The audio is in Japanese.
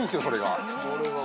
それが。